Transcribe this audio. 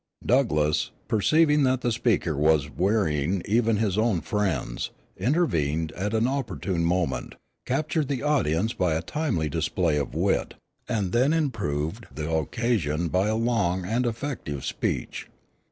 Douglass, perceiving that the speaker was wearying even his own friends, intervened at an opportune moment, captured the audience by a timely display of wit, and then improved the occasion by a long and effective speech.